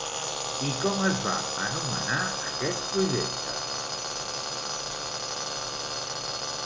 I com es va anomenar aquest projecte?